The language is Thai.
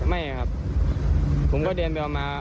ไม่ครับผมก็เดินไปเอามา